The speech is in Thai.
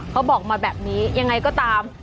เขาบอกมาแบบนี้ยังไงก็ตาม